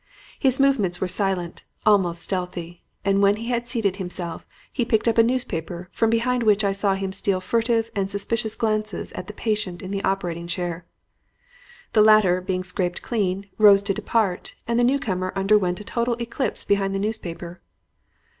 His movements were silent almost stealthy; and, when he had seated himself, he picked up a newspaper from behind which I saw him steal furtive and suspicious glances at the patient in the operating chair. The latter, being scraped clean, rose to depart, and the newcomer underwent a total eclipse behind the newspaper.